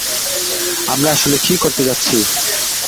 আমরা আসলে কী করতে যাচ্ছি?